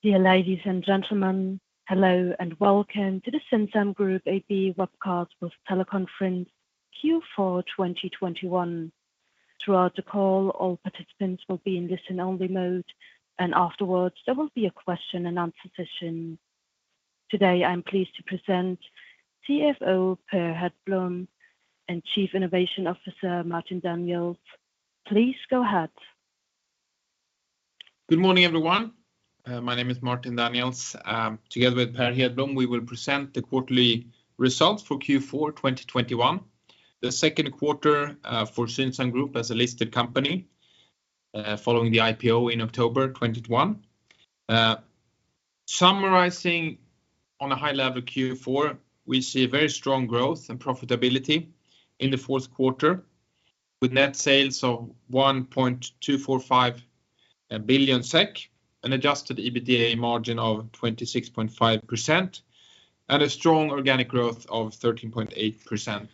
Dear ladies and gentlemen, hello and welcome to the Synsam Group AB webcast with teleconference Q4 2021. Throughout the call, all participants will be in listen-only mode, and afterwards there will be a question-and-answer session. Today, I'm pleased to present CFO Per Hedblom and Chief Innovation Officer Martin Daniels. Please go ahead. Good morning, everyone. My name is Martin Daniels. Together with Per Hedblom, we will present the quarterly results for Q4 2021, the second quarter, for Synsam Group as a listed company, following the IPO in October 2021. Summarizing on a high level Q4, we see a very strong growth and profitability in the fourth quarter, with net sales of 1.245 billion SEK, an adjusted EBITDA margin of 26.5%, and a strong organic growth of 13.8%.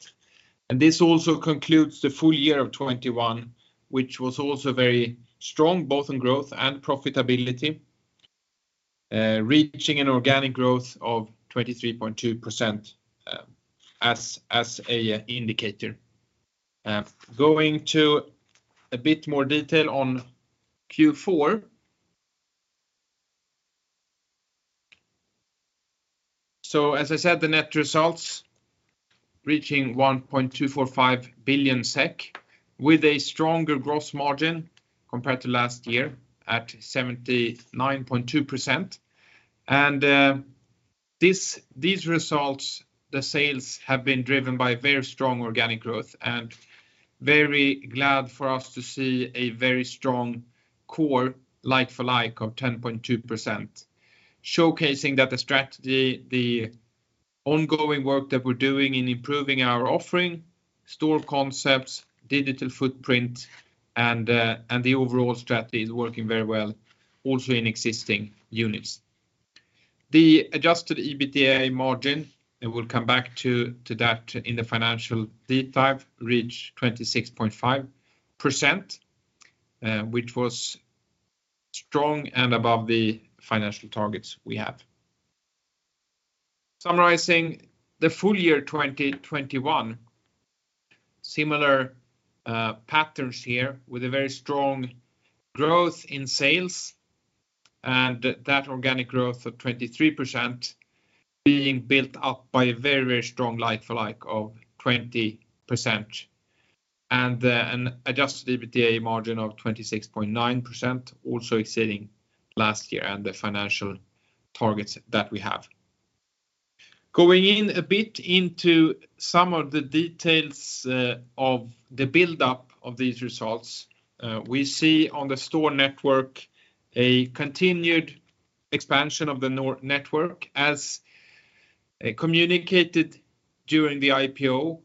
This also concludes the full year of 2021, which was also very strong, both in growth and profitability, reaching an organic growth of 23.2%, as a indicator. Going to a bit more detail on Q4. As I said, the net results reaching 1.245 billion SEK with a stronger gross margin compared to last year at 79.2%. These results, the sales have been driven by very strong organic growth, and very glad for us to see a very strong core like for like of 10.2%, showcasing that the strategy, the ongoing work that we're doing in improving our offering, store concepts, digital footprint, and the overall strategy is working very well also in existing units. The adjusted EBITDA margin, and we'll come back to that in the financial deep dive, reached 26.5%, which was strong and above the financial targets we have. Summarizing the full year 2021, similar patterns here with a very strong growth in sales and that organic growth of 23% being built up by a very, very strong like for like of 20% and an adjusted EBITDA margin of 26.9% also exceeding last year and the financial targets that we have. Going in a bit into some of the details of the buildup of these results, we see on the store network a continued expansion of the Nordic network. As communicated during the IPO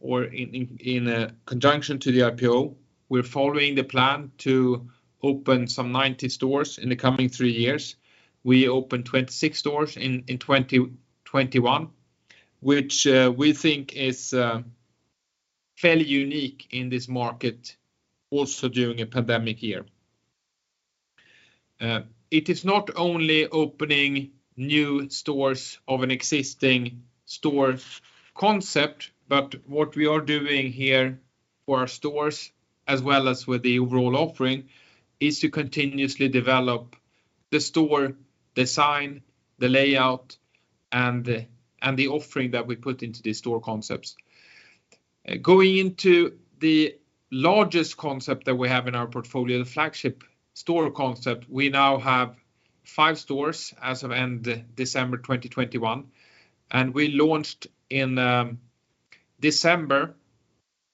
or in conjunction to the IPO, we're following the plan to open some 90 stores in the coming three years. We opened 26 stores in 2021, which we think is fairly unique in this market also during a pandemic year. It is not only opening new stores of an existing store concept, but what we are doing here for our stores as well as with the overall offering is to continuously develop the store design, the layout, and the offering that we put into the store concepts. Going into the largest concept that we have in our portfolio, the flagship store concept, we now have five stores as of end December 2021, and we launched in December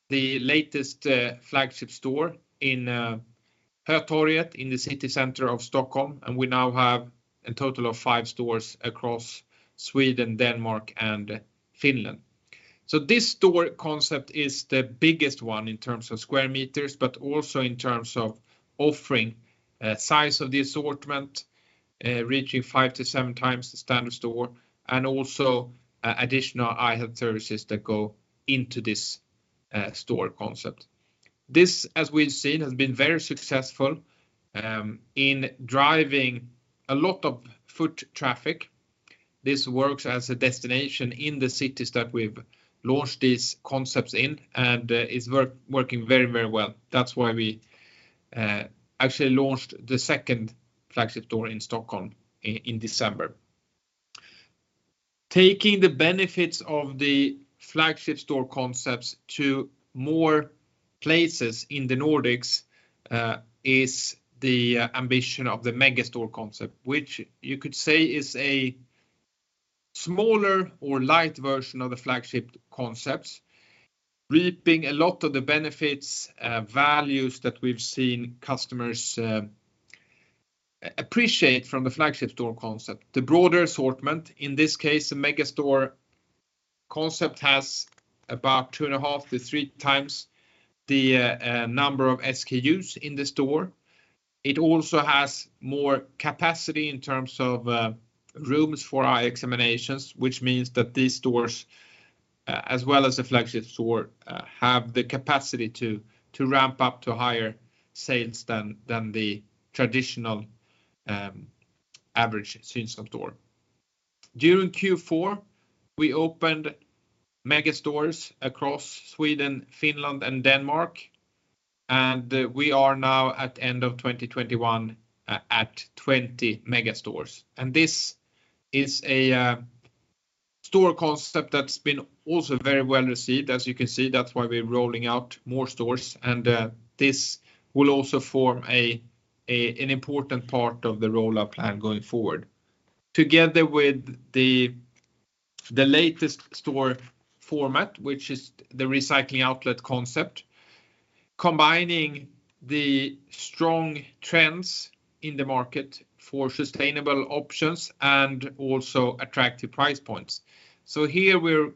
the latest flagship store in Hötorget in the city center of Stockholm, and we now have a total of five stores across Sweden, Denmark, and Finland. This store concept is the biggest one in terms of sq m, but also in terms of offering, size of the assortment, reaching 5-7 times the standard store and also additional eye health services that go into this store concept. This, as we've seen, has been very successful in driving a lot of foot traffic. This works as a destination in the cities that we've launched these concepts in, and it's working very, very well. That's why we actually launched the second flagship store in Stockholm in December. Taking the benefits of the flagship store concepts to more places in the Nordics is the ambition of the mega store concept, which you could say is a smaller or light version of the flagship concepts, reaping a lot of the benefits, values that we've seen customers appreciate from the flagship store concept. The broader assortment, in this case, the mega store concept has about 2.5-3 times the number of SKUs in the store. It also has more capacity in terms of rooms for eye examinations, which means that these stores as well as the flagship store have the capacity to ramp up to higher sales than the traditional average Synsam store. During Q4, we opened megastores across Sweden, Finland, and Denmark, and we are now at end of 2021 at 20 megastores. This is a store concept that's been also very well-received, as you can see. That's why we're rolling out more stores and this will also form an important part of the roll-out plan going forward. Together with the latest store format, which is the recycling outlet concept, combining the strong trends in the market for sustainable options and also attractive price points. Here we're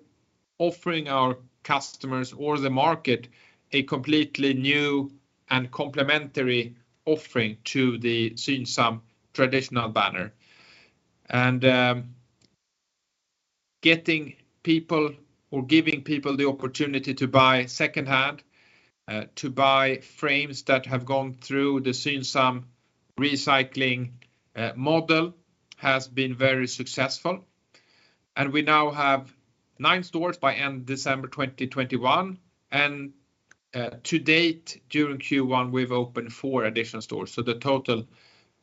offering our customers or the market a completely new and complementary offering to the Synsam traditional banner. Getting people or giving people the opportunity to buy second-hand to buy frames that have gone through the Synsam recycling model has been very successful. We now have 9 stores by end December 2021 and to date, during Q1, we've opened 4 additional stores, so the total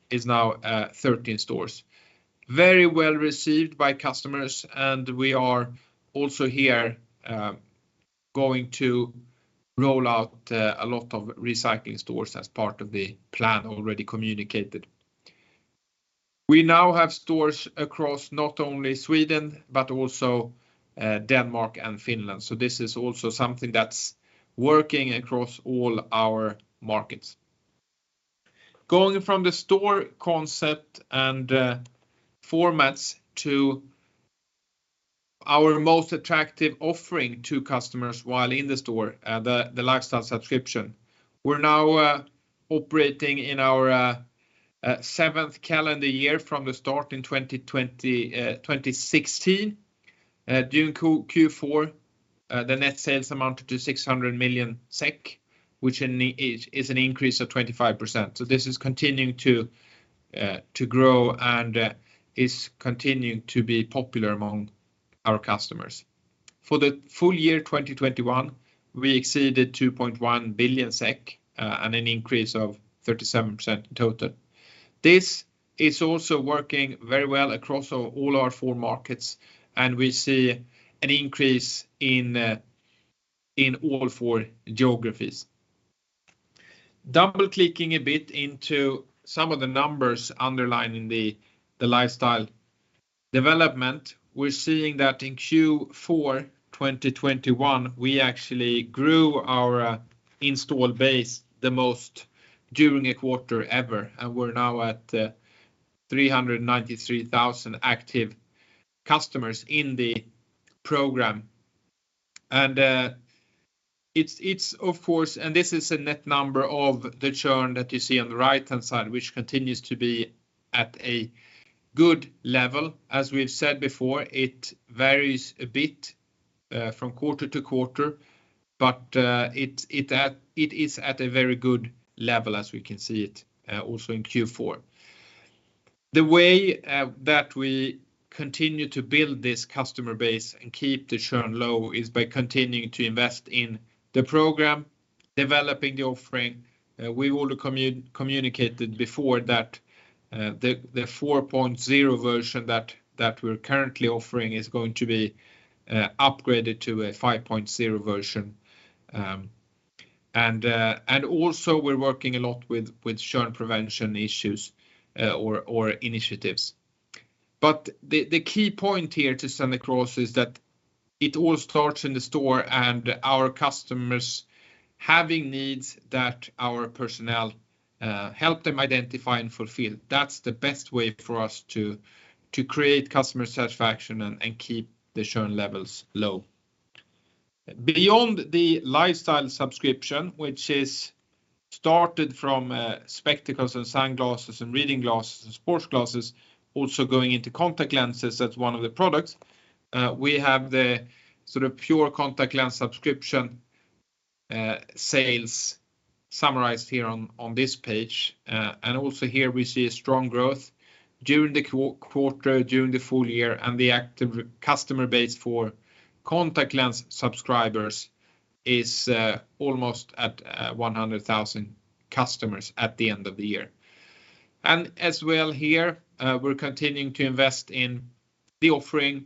is now 13 stores. Very well-received by customers, and we are also here going to roll out a lot of recycling stores as part of the plan already communicated. We now have stores across not only Sweden, but also Denmark and Finland, so this is also something that's working across all our markets. Going from the store concept and formats to our most attractive offering to customers while in the store, the Lifestyle subscription. We're now operating in our seventh calendar year from the start in 2016. During Q4, the net sales amounted to 600 million SEK, which is an increase of 25%, so this is continuing to grow and is continuing to be popular among our customers. For the full year 2021, we exceeded 2.1 billion SEK and an increase of 37% in total. This is also working very well across all our four markets, and we see an increase in all four geographies. Double-clicking a bit into some of the numbers underlying the Lifestyle development, we're seeing that in Q4 2021, we actually grew our installed base the most during a quarter ever, and we're now at 393,000 active customers in the program. This is a net number of the churn that you see on the right-hand side, which continues to be at a good level. As we've said before, it varies a bit from quarter to quarter, but it is at a very good level as we can see it also in Q4. The way that we continue to build this customer base and keep the churn low is by continuing to invest in the program, developing the offering. We've already communicated before that the 4.0 version that we're currently offering is going to be upgraded to a 5.0 version. Also we're working a lot with churn prevention issues or initiatives. The key point here to sum across is that it all starts in the store and our customers having needs that our personnel help them identify and fulfill. That's the best way for us to create customer satisfaction and keep the churn levels low. Beyond the Lifestyle subscription, which is started from spectacles and sunglasses and reading glasses and sports glasses, also going into contact lenses as one of the products, we have the sort of pure contact lens subscription sales summarized here on this page. Also here we see a strong growth during the quarter, during the full year, and the active customer base for contact lens subscribers is almost at 100,000 customers at the end of the year. As well here, we're continuing to invest in the offering,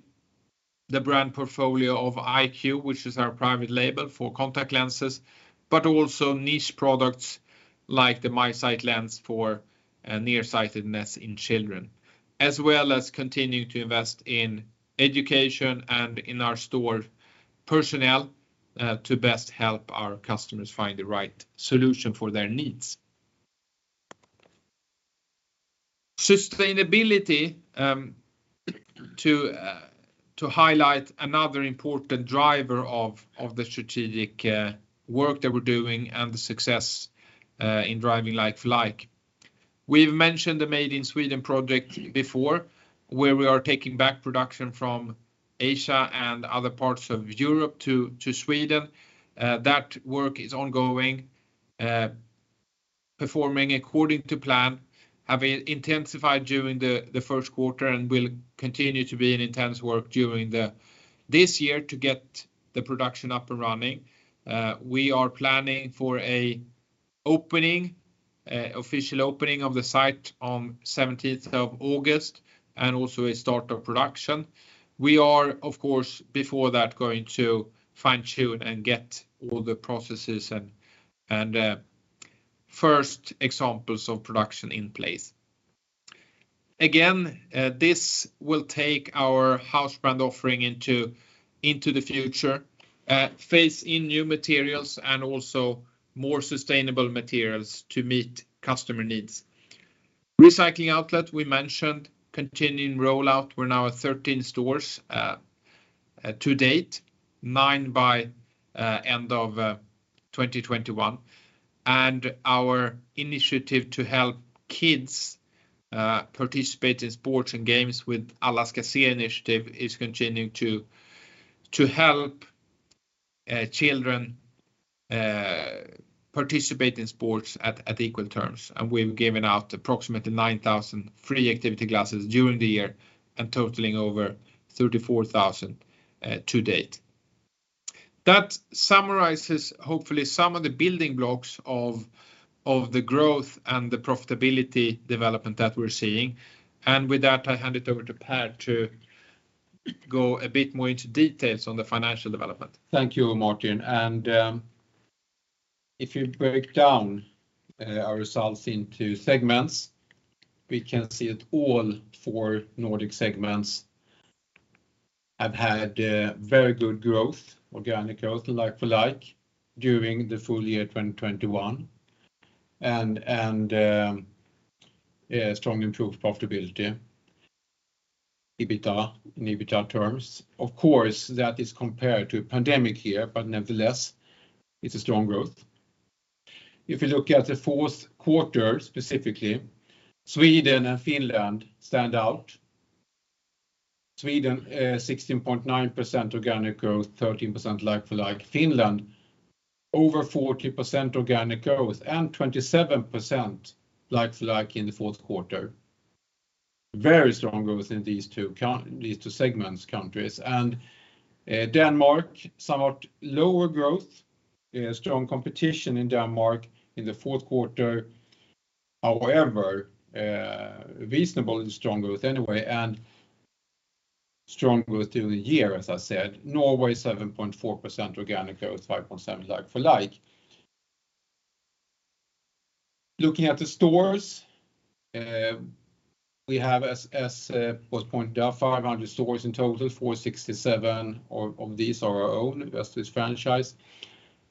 the brand portfolio of EyeQ, which is our private label for contact lenses, but also niche products like the MiSight lens for nearsightedness in children, as well as continuing to invest in education and in our store personnel to best help our customers find the right solution for their needs. Sustainability to highlight another important driver of the strategic work that we're doing and the success in driving like-for-like. We've mentioned the Made in Sweden project before, where we are taking back production from Asia and other parts of Europe to Sweden. That work is ongoing, performing according to plan, have intensified during the first quarter and will continue to be an intense work during this year to get the production up and running. We are planning for an opening, official opening of the site on 17th of August and also a start of production. We are, of course, before that, going to fine-tune and get all the processes and first examples of production in place. Again, this will take our house brand offering into the future, phase in new materials and also more sustainable materials to meet customer needs. Recycling outlet we mentioned, continuing rollout. We're now at 13 stores to date. 9 by end of 2021. Our initiative to help kids participate in sports and games with Allas Kan Se initiative is continuing to help children participate in sports at equal terms, and we've given out approximately 9,000 free activity classes during the year and totaling over 34,000 to date. That summarizes hopefully some of the building blocks of the growth and the profitability development that we're seeing. With that, I hand it over to Per to go a bit more into details on the financial development. Thank you, Martin. If you break down our results into segments, we can see that all four Nordic segments have had very good growth, organic growth and like-for-like during the full year 2021, strong improved profitability, EBITDA, in EBITDA terms. Of course, that is compared to a pandemic year, but nevertheless, it's a strong growth. If you look at the fourth quarter, specifically, Sweden and Finland stand out. Sweden, 16.9% organic growth, 13% like-for-like. Finland, over 40% organic growth and 27% like-for-like in the fourth quarter. Very strong growth in these two segments, countries. Denmark, somewhat lower growth. Strong competition in Denmark in the fourth quarter. However, reasonable and strong growth anyway and strong growth during the year, as I said. Norway, 7.4% organic growth, 5.7% like-for-like. Looking at the stores, we have, as was pointed out, 500 stores in total, 467 of these are our own. The rest is franchise.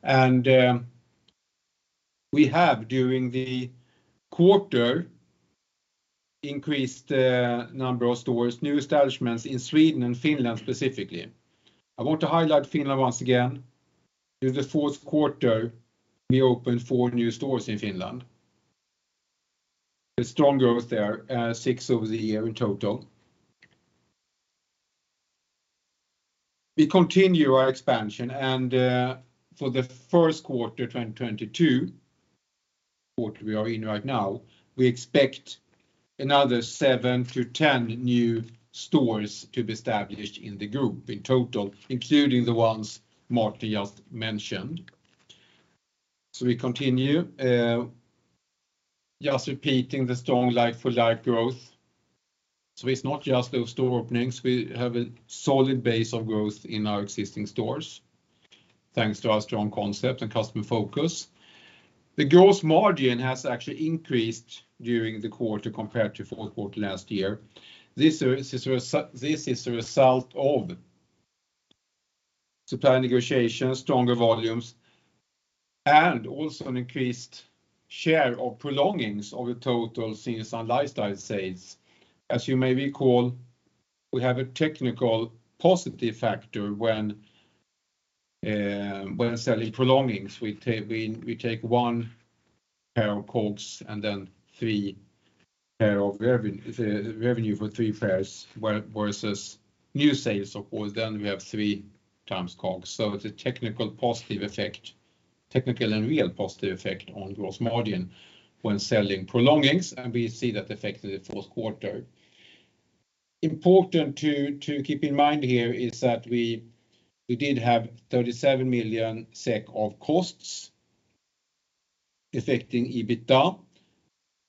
We have, during the quarter, increased number of stores, new establishments in Sweden and Finland specifically. I want to highlight Finland once again. During the fourth quarter, we opened 4 new stores in Finland. A strong growth there. 6 over the year in total. We continue our expansion and, for the first quarter 2022, quarter we are in right now, we expect another 7-10 new stores to be established in the group in total, including the ones Martin just mentioned. We continue just repeating the strong like-for-like growth. It's not just those store openings, we have a solid base of growth in our existing stores thanks to our strong concept and customer focus. The growth margin has actually increased during the quarter compared to fourth quarter last year. This is a result of supply negotiations, stronger volumes, and also an increased share of prolongings of the total Synsam Lifestyle sales. As you may recall, we have a technical positive factor when selling prolongings. We take one pair of COGS and then three pair of revenue for three pairs, whereas new sales, of course, then we have three times COGS. It's a technical positive effect, technical and real positive effect on growth margin when selling prolongings, and we see that effect in the fourth quarter. Important to keep in mind here is that we did have 37 million SEK of costs affecting EBITDA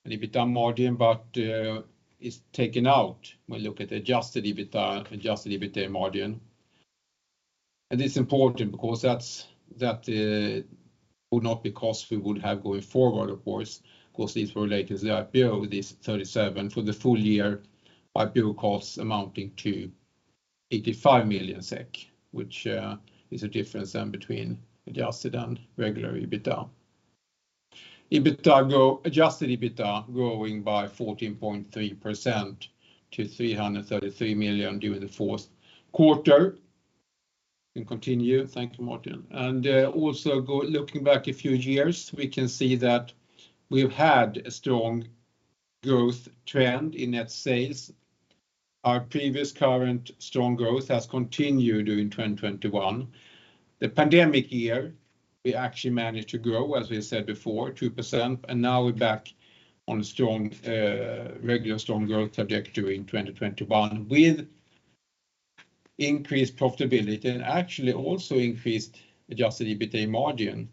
and EBITDA margin, but it's taken out when you look at adjusted EBITDA and adjusted EBITDA margin. It's important because that would not be costs we would have going forward, of course. Of course, these were related to the IPO, this 37 for the full year IPO costs amounting to 85 million SEK, which is a difference then between adjusted and regular EBITDA. Adjusted EBITDA growing by 14.3% to 333 million during the fourth quarter. Continue. Thank you, Martin. Also, going back a few years, we can see that we've had a strong growth trend in net sales. Our previous current strong growth has continued during 2021. The pandemic year, we actually managed to grow, as we said before, 2%, and now we're back on a strong regular strong growth trajectory in 2021 with increased profitability and actually also increased adjusted EBITA margin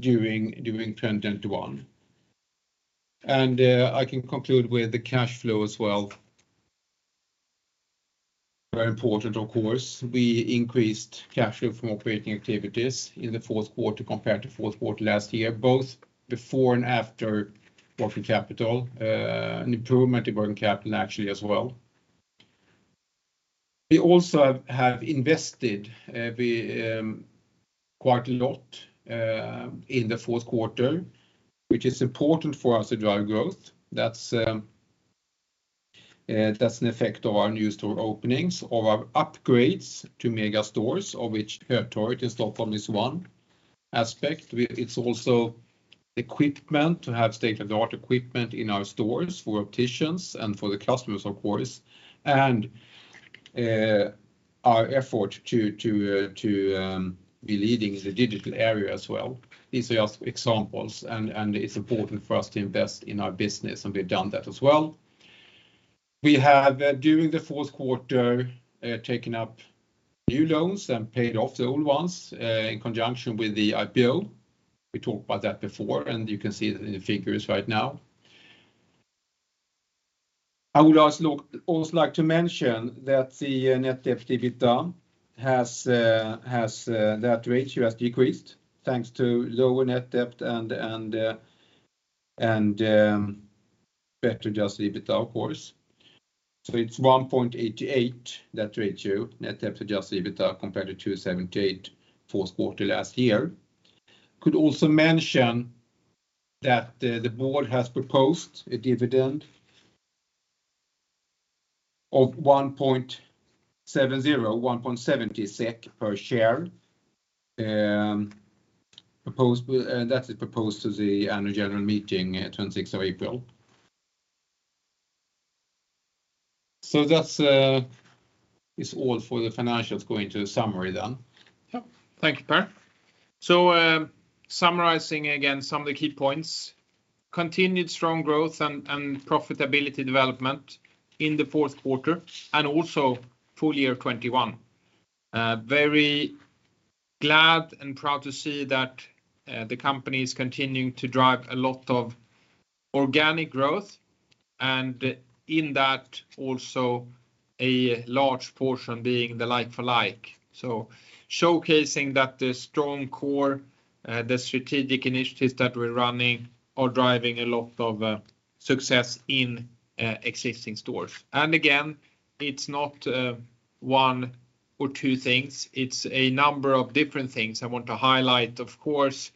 during 2021. I can conclude with the cash flow as well. Very important of course. We increased cash flow from operating activities in the fourth quarter compared to fourth quarter last year, both before and after working capital, an improvement in working capital actually as well. We also have invested quite a lot in the fourth quarter, which is important for us to drive growth. That's an effect of our new store openings, of our upgrades to mega stores, of which Hötorget in Stockholm is one aspect. It's also equipment to have state-of-the-art equipment in our stores for opticians and for the customers, of course. Our effort to be leading in the digital area as well. These are just examples and it's important for us to invest in our business, and we've done that as well. We have during the fourth quarter taken up new loans and paid off the old ones in conjunction with the IPO. We talked about that before, and you can see the figures right now. I would also like to mention that the net debt to EBITDA, that ratio, has decreased thanks to lower net debt and better adjusted EBITDA, of course. It's 1.88, that ratio, net debt to adjusted EBITDA compared to 2.78 fourth quarter last year. Could also mention that the board has proposed a dividend of 1.70 SEK per share, proposed to the annual general meeting, April 26th. That's all for the financials. Going to the summary. Yeah. Thank you, Per. Summarizing again some of the key points, continued strong growth and profitability development in the fourth quarter and also full year 2021. Very glad and proud to see that the company is continuing to drive a lot of organic growth and in that also a large portion being the like-for-like. Showcasing that the strong core, the strategic initiatives that we're running are driving a lot of success in existing stores. Again, it's not one or two things, it's a number of different things. I want to highlight, of course,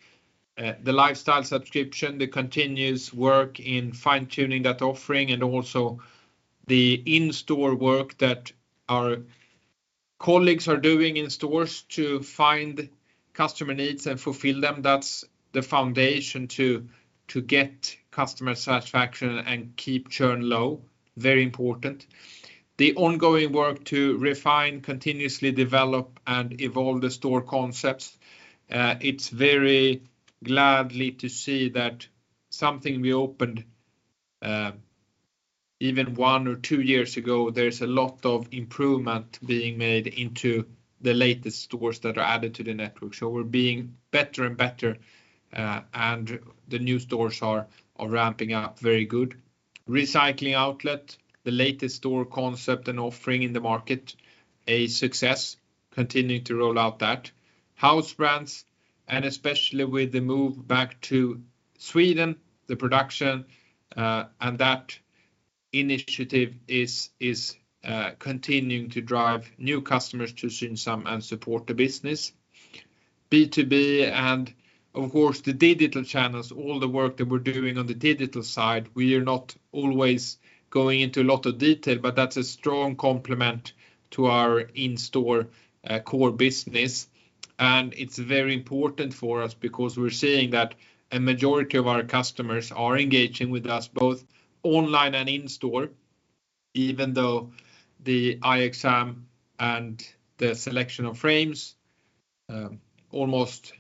the lifestyle subscription, the continuous work in fine-tuning that offering and also the in-store work that our colleagues are doing in stores to find customer needs and fulfill them. That's the foundation to get customer satisfaction and keep churn low. Very important. The ongoing work to refine, continuously develop, and evolve the store concepts. It's very good to see that something we opened even one or two years ago, there's a lot of improvement being made into the latest stores that are added to the network. We're being better and better, and the new stores are ramping up very good. Recycling outlet, the latest store concept and offering in the market, a success, continuing to roll out that. House brands and especially with the move back to Sweden, the production, and that initiative is continuing to drive new customers to Synsam and support the business. B2B and of course the digital channels, all the work that we're doing on the digital side, we are not always going into a lot of detail, but that's a strong complement to our in-store core business. It's very important for us because we're seeing that a majority of our customers are engaging with us both online and in store, even though the eye exam and the selection of frames almost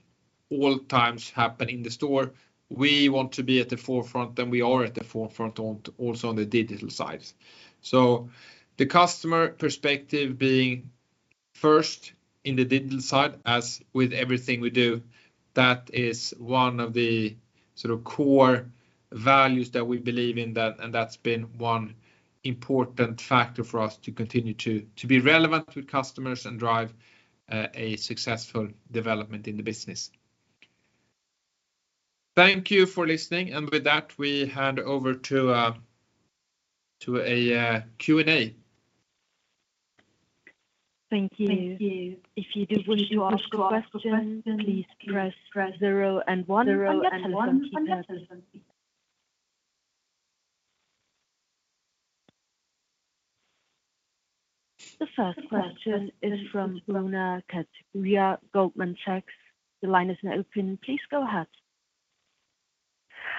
all times happen in the store. We want to be at the forefront, and we are at the forefront on also on the digital side. The customer perspective being first in the digital side, as with everything we do, that is one of the sort of core values that we believe in that, and that's been one important factor for us to continue to be relevant with customers and drive a successful development in the business. Thank you for listening and with that we hand over to a Q&A. Thank you. If you do wish to ask a question, please press zero and one on your telephone keypad. The first question is from Veronika from Goldman Sachs. The line is now open. Please go ahead.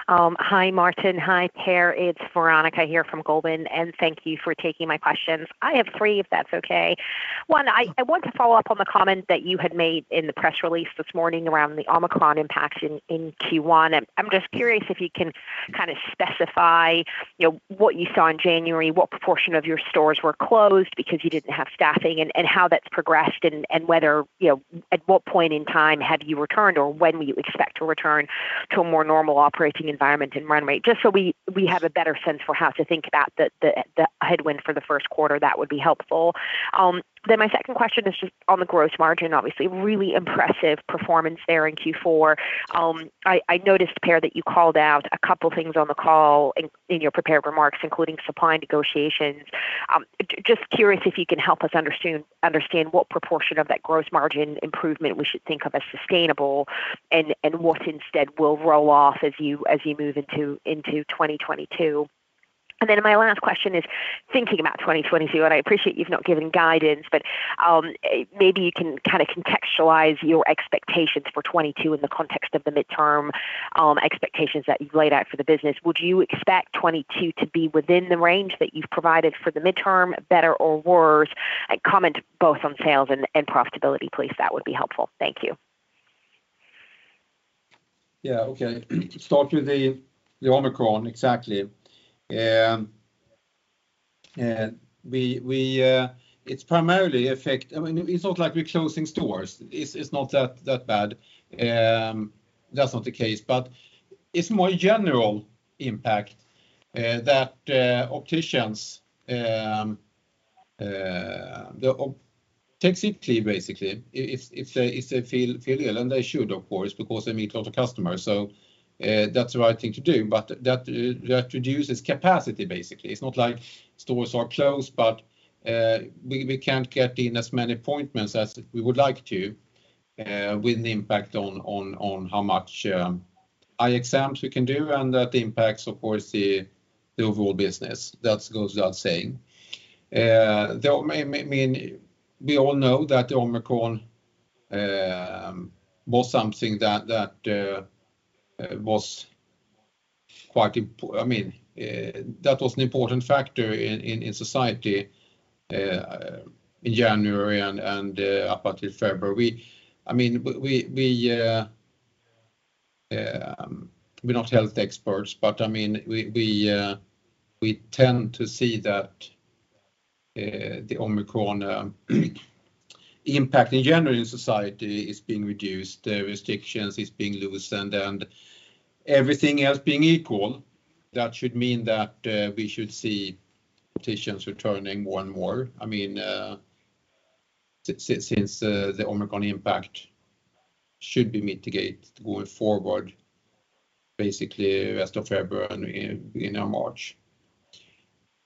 Hi Martin. Hi Per. It's Veronika here from Goldman Sachs, and thank you for taking my questions. I have three, if that's okay. One, I want to follow up on the comment that you had made in the press release this morning around the Omicron impact in Q1. I'm just curious if you can specify what you saw in January, what proportion of your stores were closed because you didn't have staffing and how that's progressed and whethe at what point in time have you returned or when will you expect to return to a more normal operating environment and run rate? Just so we have a better sense for how to think about the headwind for the first quarter, that would be helpful. My second question is just on the gross margin, obviously really impressive performance there in Q4. I noticed, Per, that you called out a couple things on the call in your prepared remarks, including supply negotiations. Just curious if you can help us understand what proportion of that gross margin improvement we should think of as sustainable and what instead will roll off as you move into 2022. My last question is thinking about 2022, and I appreciate you've not given guidance, but maybe you can kind of contextualize your expectations for 2022 in the context of the midterm expectations that you've laid out for the business. Would you expect 2022 to be within the range that you've provided for the midterm, better or worse? A comment both on sales and profitability, please. That would be helpful. Thank you. Yeah. Okay. Start with the Omicron. Exactly. It's not like we're closing stores. It's not that bad. That's not the case, but it's more general impact that opticians they take sick leave basically if they feel ill, and they should, of course, because they meet a lot of customers, so that's the right thing to do. That reduces capacity basically. It's not like stores are closed, but we can't get in as many appointments as we would like to with the impact on how much eye exams we can do, and that impacts, of course, the overall business. That goes without saying. The We all know that the Omicron was something that was an important factor in society in January and up until February. We we're not health experts, but we tend to see that the Omicron impact in general in society is being reduced. The restrictions is being loosened and everything else being equal, that should mean that we should see opticians returning more and more. I mean, since the Omicron impact should be mitigated going forward basically rest of February and beginning of March.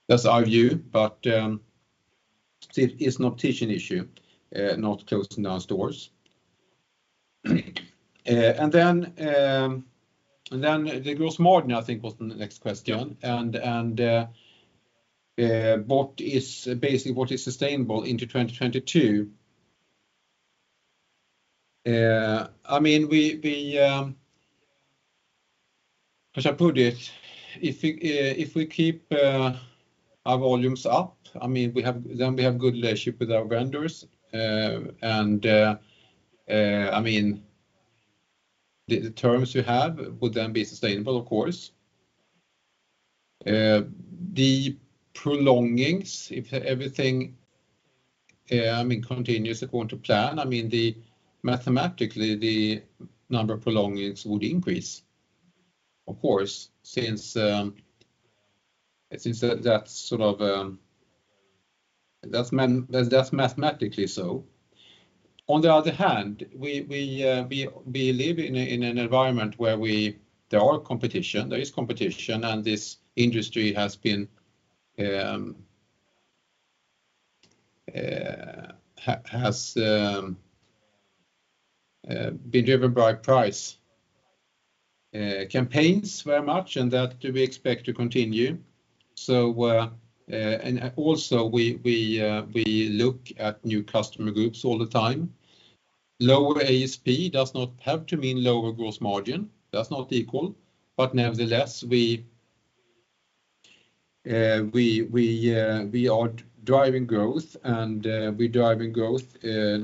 That's our view. It is an optician issue, not closing down stores. The gross margin was the next question and what is basically sustainable into 2022. As I put it, if we keep our volumes up then we have good relationship with our vendors, the terms we have would then be sustainable, of course. The prolongings, if everything I mean continues according to plan, I mean, mathematically, the number of prolongings would increase, of course, since that's sort of mathematically so. On the other hand, we live in an environment where we... There is competition, and this industry has been driven by price campaigns very much and that do we expect to continue. We look at new customer groups all the time. Lower ASP does not have to mean lower gross margin. That's not equal, but nevertheless we are driving growth,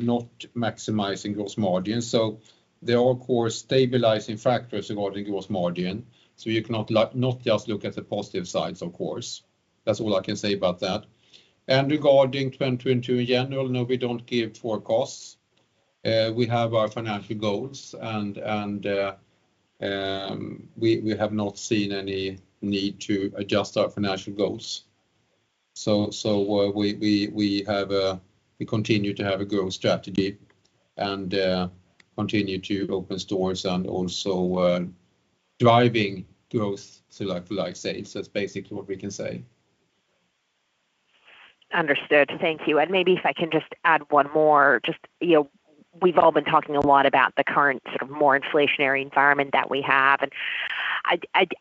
not maximizing gross margin. There are, of course, stabilizing factors regarding gross margin, so you cannot like not just look at the positive sides, of course. That's all I can say about that. Regarding 2022 in general, no, we don't give forecasts. We have our financial goals and we have not seen any need to adjust our financial goals. We continue to have a growth strategy and continue to open stores and also driving growth, so like I say, so it's basically what we can say. Understood. Thank you. Maybe if I can just add one more. We've all been talking a lot about the current sort of more inflationary environment that we have, and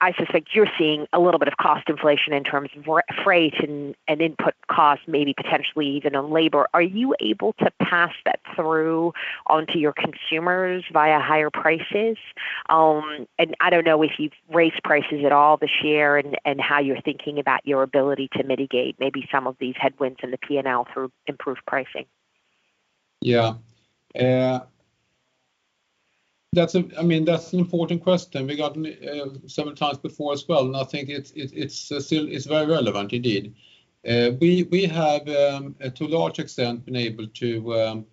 I suspect you're seeing a little bit of cost inflation in terms of freight and input costs, maybe potentially even in labor. Are you able to pass that through onto your consumers via higher prices? I don't know if you've raised prices at all this year and how you're thinking about your ability to mitigate maybe some of these headwinds in the P&L through improved pricing. Yeah. I mean, that's an important question we got several times before as well, and I think it's still very relevant indeed. We have to a large extent been able to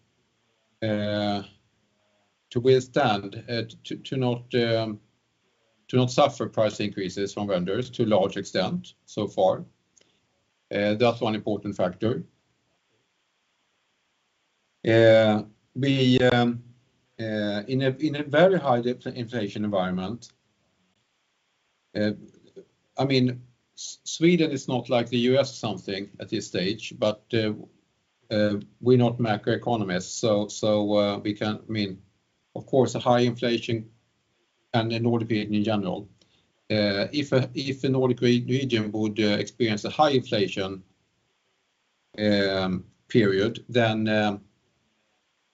not suffer price increases from vendors to a large extent so far. That's one important factor. We, in a very high inflation environment Sweden is not like the U.S. or something at this stage, but we're not macroeconomists, so we can't. I mean, of course a high inflation and in Nordic in general, if the Nordic region would experience a high inflation period, then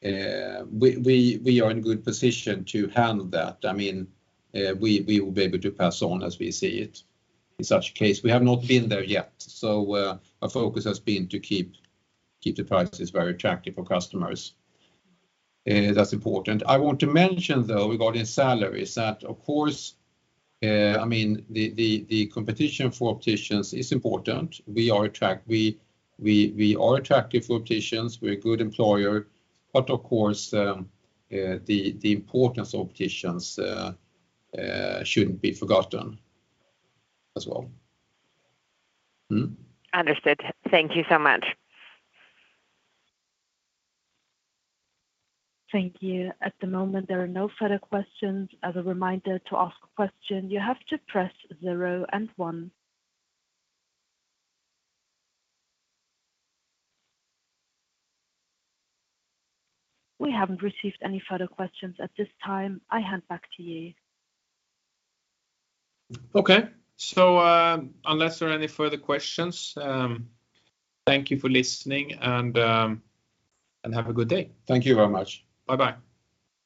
we are in good position to handle that. I mean, we will be able to pass on as we see it in such case. We have not been there yet. Our focus has been to keep the prices very attractive for customers. That's important. I want to mention though, regarding salaries, that of course, I mean the competition for opticians is important. We are attractive for opticians. We're a good employer. Of course, the importance of opticians shouldn't be forgotten as well. Understood. Thank you so much. Thank you. At the moment, there are no further questions. As a reminder, to ask a question, you have to press 0 and 1. We haven't received any further questions at this time. I hand back to you. Okay. Unless there are any further questions, thank you for listening and have a good day. Thank you very much. Bye-bye.